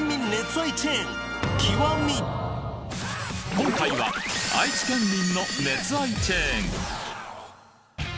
今回は愛知県民の熱愛チェーン！